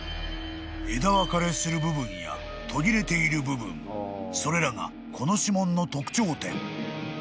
［枝分かれする部分や途切れている部分それらがこの指紋の］